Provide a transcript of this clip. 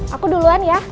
aku duluan ya